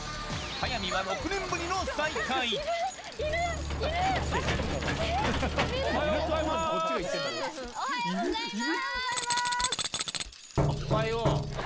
早見はおはようございます。